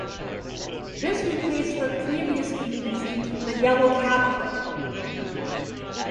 This replaced the previous speakeasy "The Yellow Cab Club".